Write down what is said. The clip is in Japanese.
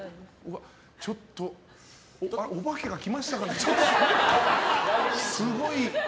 ちょっとお化けが来ましたかね。